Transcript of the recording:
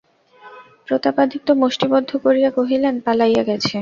প্রতাপাদিত্য মুষ্টিবদ্ধ করিয়া কহিলেন, পালাইয়া গেছে?